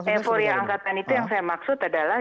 euforia angkatan itu yang saya maksud adalah